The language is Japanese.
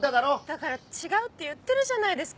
だから違うって言ってるじゃないですか。